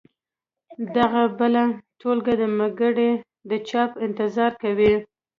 دغه بله ټولګه دمګړۍ د چاپ انتظار کوي.